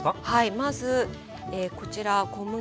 まずこちら小麦粉。